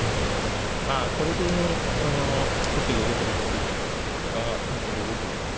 まあこれで取って５五歩と突くか単に５五歩を突くかを。